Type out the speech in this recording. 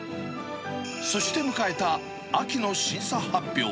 そして迎えた秋の審査発表。